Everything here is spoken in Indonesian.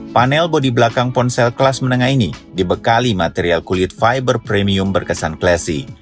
panel bodi belakang ponsel kelas menengah ini dibekali material kulit fiber premium berkesan klasi